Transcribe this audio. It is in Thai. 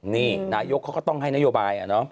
นี่นายกเขาก็ต้องให้นโยบาย